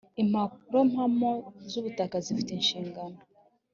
impapurompamo z ‘ubutaka zifite inshingano.